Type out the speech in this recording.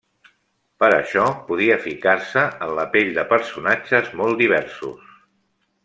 Per això podia ficar-se en la pell de personatges molt diversos.